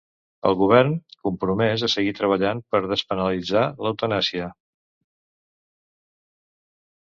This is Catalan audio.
El govern, compromès a seguir treballant per despenalitzar l'eutanàsia.